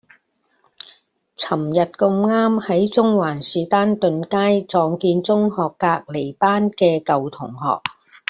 噚日咁啱喺中環士丹頓街撞見中學隔離班嘅舊同學